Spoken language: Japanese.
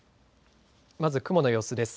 まず雲の様子です。